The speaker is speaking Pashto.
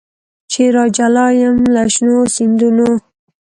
چي راجلا یم له شنو سیندونو